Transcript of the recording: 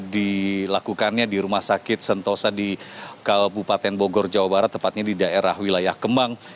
dilakukannya di rumah sakit sentosa di kabupaten bogor jawa barat tepatnya di daerah wilayah kemang